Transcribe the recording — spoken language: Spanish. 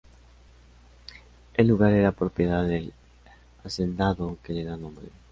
El lugar era propiedad del hacendado que le da nombre.